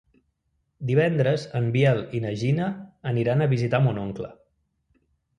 Divendres en Biel i na Gina aniran a visitar mon oncle.